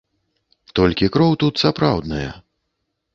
Толькі кроў тут сапраўдная.